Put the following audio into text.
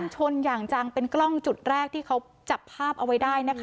ชนอย่างจังเป็นกล้องจุดแรกที่เขาจับภาพเอาไว้ได้นะคะ